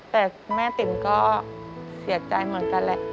แต่แม่ติ๋มก็เสียใจเหมือนกันแหละ